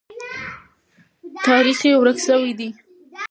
تاریخ یې ورک سوی دی.